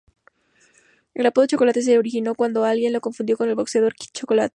El apodo "Chocolate" se originó cuando alguien le confundió con el boxeador Kid Chocolate.